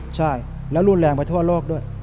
ใช่แล้วรุนแรงไปทั่วโลกด้วย